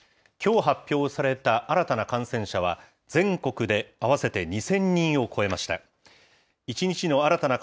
きょう発表された新たな感染者は、全国で合わせて２０００人を超えました。